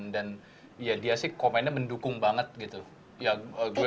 dan ya dia sih komennya mendukung banget gitu